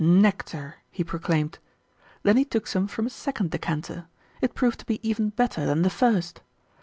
"Nectar!" he proclaimed. Then he took some from a second decanter. It proved to be even better than the first.